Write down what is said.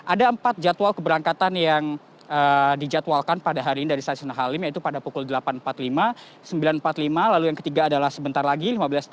ada empat jadwal keberangkatan yang dijadwalkan pada hari ini dari stasiun halim yaitu pada pukul delapan empat puluh lima sembilan empat puluh lima lalu yang ketiga adalah sebentar lagi lima belas tiga puluh